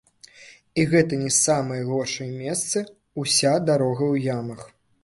І гэта не самыя горшыя месцы, уся дарога ў ямах.